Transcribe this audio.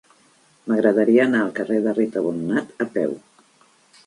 M'agradaria anar al carrer de Rita Bonnat a peu.